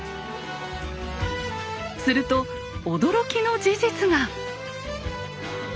すると驚きの事実が！